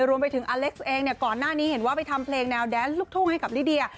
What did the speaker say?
รวมไปถึงอเล็กซ์เองเนี่ยก่อนหน้านี้เห็นว่าไปทำเพลงแนวแดนลูกทุ่งให้กับลิเดีย